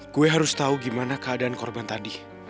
gue harus tahu gimana keadaan korban tadi